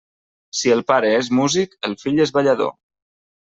Si el pare és músic, el fill és ballador.